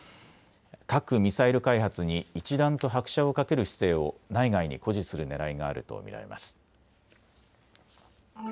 核・ミサイル開発に一段と拍車をかける姿勢を内外に誇示するねらいがあると見られます。